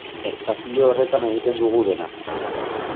Espazio horretan egiten dugu dena.